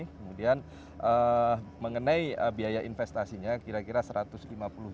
kemudian mengenai biaya investasinya kira kira satu ratus lima puluh juta usd